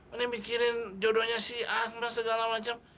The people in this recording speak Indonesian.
ini mikirin jodohnya si atma segala macam